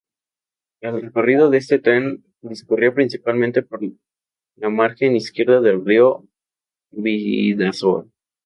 El recorrido de este tren discurría principalmente por la margen izquierda del Río Bidasoa.